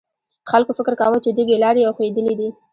خلکو فکر کاوه چې دوی بې لارې او ښویېدلي دي.